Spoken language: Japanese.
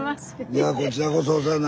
いやこちらこそお世話になります。